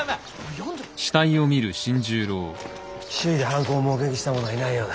周囲で犯行を目撃した者はいないようだ。